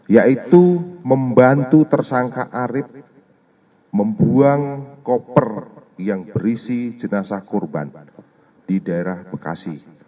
yaitu membantu tersangka arief membuang koper yang berisi jenazah korban di daerah bekasi